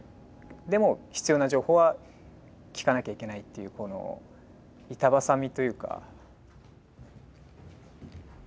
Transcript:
でも必要な情報は聞かなきゃいけないっていうこの板挟みというか。